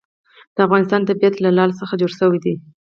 د افغانستان طبیعت له لعل څخه جوړ شوی دی.